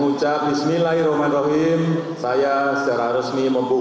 untuk berkongsi tentang hal tersebut